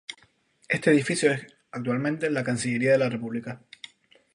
Este edificio es actualmente la Cancillería de la República.